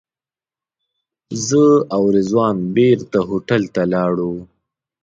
زه او رضوان بېرته هوټل ته لاړو.